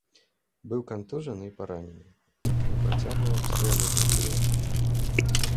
Быў кантужаны і паранены, але працягваў абстрэльваць непрыяцеля.